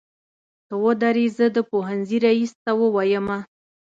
ته ودرې زه د پوهنځۍ ريس ته وويمه.